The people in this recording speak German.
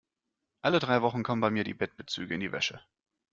Alle drei Wochen kommen bei mir die Bettbezüge in die Wäsche.